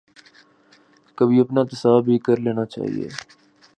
کبھی اپنا احتساب بھی کر لینا چاہیے۔